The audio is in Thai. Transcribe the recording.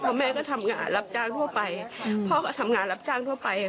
เพราะแม่ก็ทำงานรับจ้างทั่วไปพ่อก็ทำงานรับจ้างทั่วไป